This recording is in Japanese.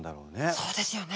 そうですよね。